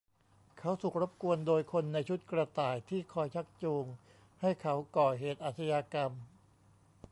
เขาถูกรบกวนโดยคนในชุดกระต่ายที่คอยชักจูงให้เขาก่อเหตุอาชญากรรม